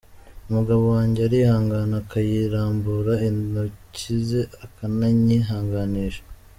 Umugabo wanjye arihangana akayirambura n’intoki ze akananyihanganisha.